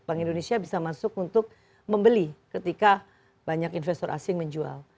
bank indonesia bisa masuk untuk membeli ketika banyak investor asing menjual